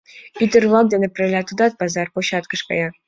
Ӱдыр-влак дене пырля тудат пазар площадьыш кая.